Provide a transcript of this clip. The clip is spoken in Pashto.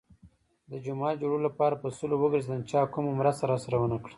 د جماعت جوړولو لپاره په سلو وگرځېدم. چا کومه مرسته راسره ونه کړه.